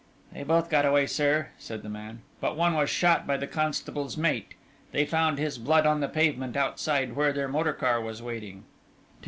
"They both got away, sir," said the man, "but one was shot by the constable's mate; they found his blood on the pavement outside where their motor car was waiting."